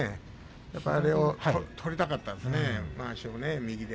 やっぱりまわしを取りたかったですね、右で。